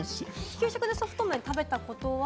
給食のソフトメンを食べたことは？